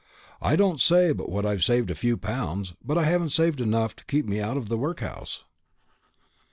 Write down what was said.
I don't say but what I've saved a few pounds, but I haven't saved enough to keep me out of the workhouse."